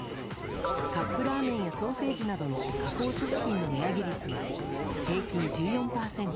カップラーメンやソーセージなどの加工食品の値上げ率は平均１４％。